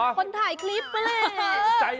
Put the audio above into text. ส์คนถ่ายคลิปแกเนี่ย